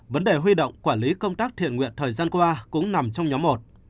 vấn đề huy động quản lý công tác thiện nguyện thời gian qua cũng nằm trong nhóm một